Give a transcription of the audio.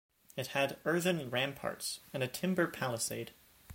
It had earthen ramparts and a timber palisade.